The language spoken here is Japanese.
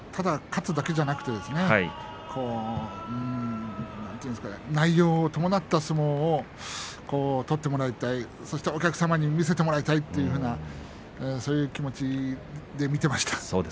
勝つだけではなく内容を伴った相撲を取ってもらいたいそしてお客様に見せてもらいたいそういう気持ちで見ていました。